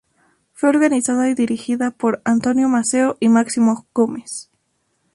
Fue organizada y dirigida por Antonio Maceo y Máximo Gómez.